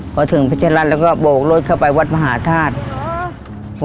พอถึงเพชรรัฐแล้วก็โบกรถเข้าไปวัดมหาธาตุ